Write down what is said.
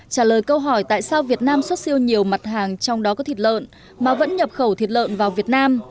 trả lời câu hỏi tại sao việt nam xuất siêu nhiều mặt hàng trong đó có thịt lợn mà vẫn nhập khẩu thịt lợn vào việt nam